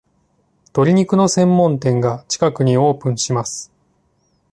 鶏肉の専門店が近くにオープンします